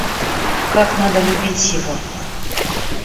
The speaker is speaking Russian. Как надо любить его?